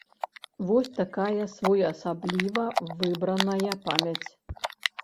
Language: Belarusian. Вось такая своеасабліва выбраная памяць.